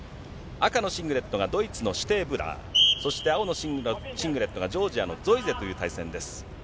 赤のシングレットがドイツのシュテーブラー、そして青のシングレットがジョージアのゾイゼという対戦です。